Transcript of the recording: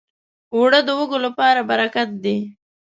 اوړه د وږو لپاره برکت دی